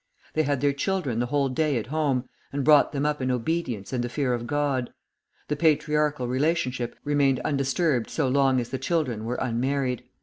They had their children the whole day at home, and brought them up in obedience and the fear of God; the patriarchal relationship remained undisturbed so long as the children were unmarried.